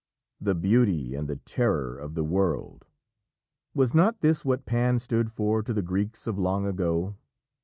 "The Beauty and the terror of the world" was not this what Pan stood for to the Greeks of long ago?